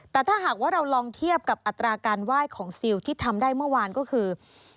แต่ถ้าหากว่าเราลองเทียบกับอัตราการไหว้ของซิลที่ทำได้เมื่อวานก็คือ